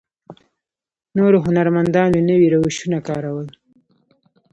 نورو هنرمندانو نوي روشونه کارول.